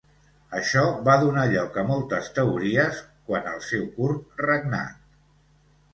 Això va donar lloc a moltes teories quant al seu curt regnat.